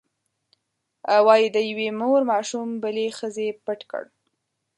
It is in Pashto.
وایي د یوې مور ماشوم بلې ښځې پټ کړ.